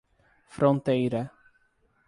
Fronteira